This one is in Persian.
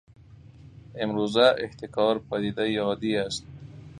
امروزه احتکار پدیده ای عادی است